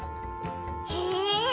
へえ！